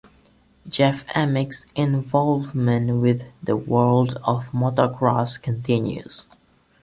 Jeff Emig's involvement with the world of motocross continues.